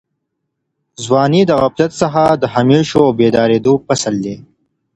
ځواني د غفلت څخه د وهمېشهو او بېدارېدو فصل دی.